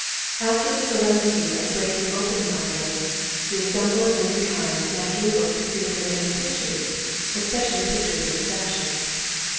After the solemnity of breaking open the envelope, the assembled womankind naturally looked to see if there were any pictures, especially pictures of the fashions.